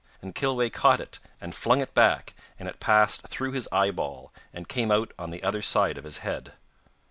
And Kilweh caught it, and flung it back, and it passed through his eyeball, and came out on the other side of his head.